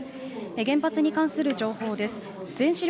原発に関する情報です。